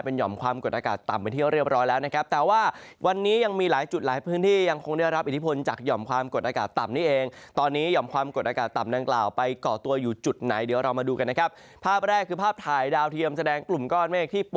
เป็นหยอมความกดอากาศต่ำไปที่เราเรียบร้อยแล้วนะครับ